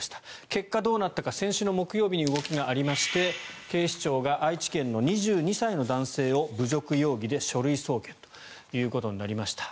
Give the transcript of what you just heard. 結果どうなったか先週木曜日に動きがありまして警視庁が愛知県の２２歳の男性を侮辱容疑で書類送検ということになりました。